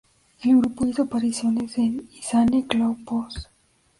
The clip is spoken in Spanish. El grupo hizo apariciones en "Insane Clown Posse".